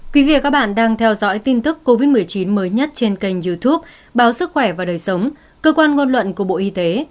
quý vị và các bạn đang theo dõi tin tức covid một mươi chín mới nhất trên kênh youtube báo sức khỏe và đời sống cơ quan ngôn luận của bộ y tế